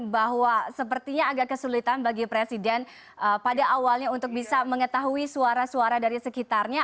bahwa sepertinya agak kesulitan bagi presiden pada awalnya untuk bisa mengetahui suara suara dari sekitarnya